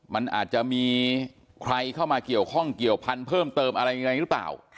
มันอาจจะมีใครเข้ามาเกี่ยวข้องเกี่ยวพันธุ์เพิ่มเติมอะไรยังไงหรือเปล่า